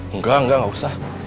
enggak enggak gak usah